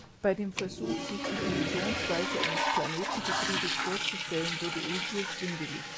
Bei dem Versuch, sich die Funktionsweise eines Planetengetriebes vorzustellen, wurde Ilse schwindelig.